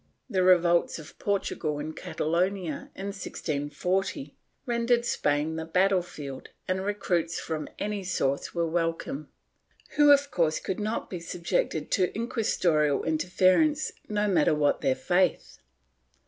The revolts of Portugal and Catalonia, in 1640, rendered Spain the battle field, and recruits from any source were welcome, who of course could not be subjected to inquisitorial interference, no matter what their faith.